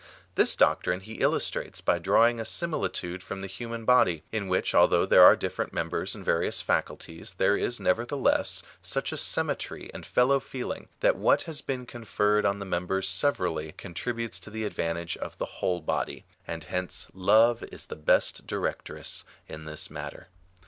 This doctrine he illustrates by drawing a similitude from the human body, in which, although there are different members and various faculties, there is nevertheless such a symmetry and fellow feeling, that what has been conferred on the members severally contributes to the advantage of the whole body — and hence love is the best directress in this matter.